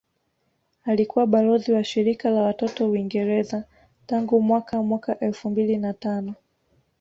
Alikuwa balozi wa shirika la watoto Uingereza tangu mwaka mwaka elfu mbili na tano